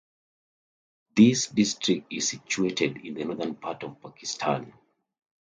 This district is situated in the northern part of Pakistan.